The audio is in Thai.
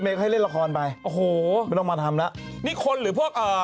ให้เล่นละครไปโอ้โหไม่ต้องมาทำแล้วนี่คนหรือพวกอ่า